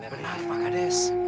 benar pak ganes